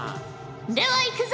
ではいくぞ